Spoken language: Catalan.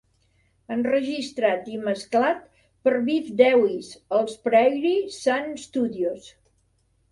Enregistrat i mesclat per Biff Dawes als Prairie Sun Studios.